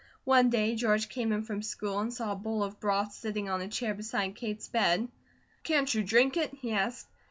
One day George came in from school and saw a bowl of broth sitting on a chair beside Kate's bed. "Can't you drink it?" he asked.